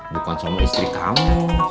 bukan sama istri kamu